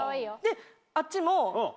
あっちも。